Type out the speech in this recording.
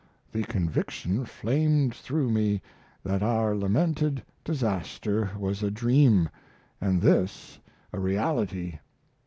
The conviction flamed through me that our lamented disaster was a dream, & this a reality.